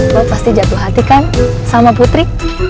lo pasti jatuh hati kan sama putri